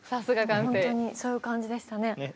本当にそういう感じでしたね。